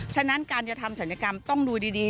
ฉะนั้นการจะทำศัลยกรรมต้องดูดี